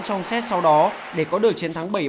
trong xét sau đó để có được chiến thắng bảy ba